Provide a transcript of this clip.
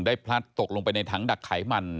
พลัดตกลงไปในถังดักไขมัน